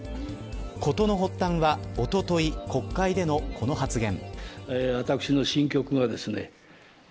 事の発端はおととい国会でのこの発言。